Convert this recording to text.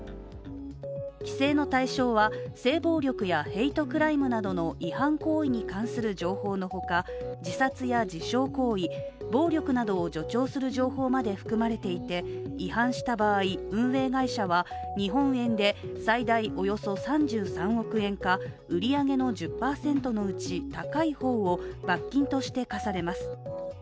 規制の対象は性暴力やヘイトクライムなどの違反行為に関する情報のほか、自殺や自傷行為、暴力などを助長する情報まで含まれていて違反した場合、運営会社は日本円で最大およそ３３億円か売り上げの１０％のうち高い方を罰金として科されます。